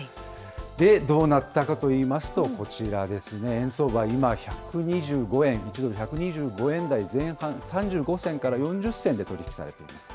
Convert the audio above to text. で、どうなったかといいますと、こちらですね、円相場、今、１２５円、１ドル１２５円台前半、３５銭から４０銭で取り引きされていますね。